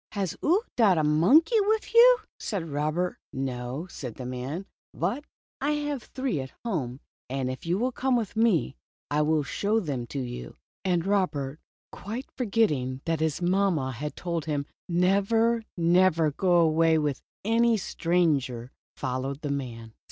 " Has 00 dot a monkey wif 00?" said Robert. No," said the man, "but I have three at home, and if you will come with me, I will show them to you." And Robert, quite forgetting that his mamma had told him never, never to go away with any stranger, followed the man.